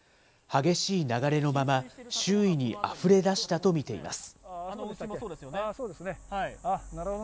激しい流れのまま、周囲にあふれ出したと見ています。